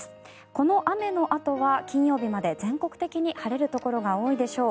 この雨のあとは金曜日まで全国的に晴れるところが多いでしょう。